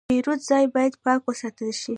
د پیرود ځای باید پاک وساتل شي.